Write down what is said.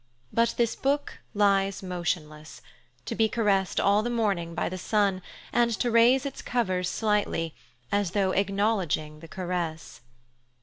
But this book lies motionless, to be caressed all the morning by the sun and to raise its covers slightly, as though acknowledging the caress.